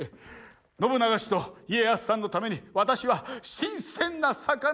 信長氏と家康さんのために私は新鮮な魚をかき集めてきたのに。